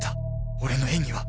俺の演技は。